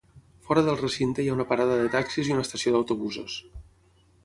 Fora del recinte hi ha una parada de taxis i una estació d'autobusos.